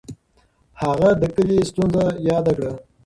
هغه د کلي ستونزه یاده کړه.